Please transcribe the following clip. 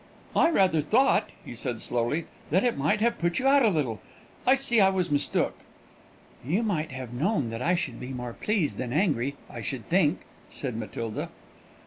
"I rather thought," he said slowly, "that it might have put you out a little. I see I was mistook." "You might have known that I should be more pleased than angry, I should think," said Matilda.